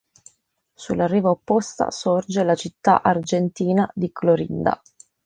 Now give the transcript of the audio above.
Sulla riva opposta sorge la città argentina di Clorinda.